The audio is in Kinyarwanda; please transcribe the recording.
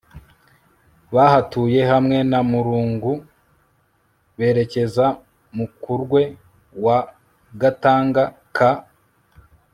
bahatuye hamwe na murungu berekeza mukurwe wa gathanga. nka a